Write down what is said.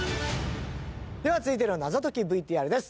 では続いての謎解きＶＴＲです。